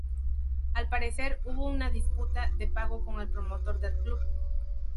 Al parecer, hubo una disputa de pago con el promotor del club.